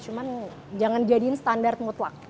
cuman jangan jadiin standar mutlak